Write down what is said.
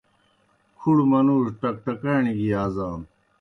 کُھڑوْ منُوڙوْ ٹکٹکانیْ گیْ یازانو۔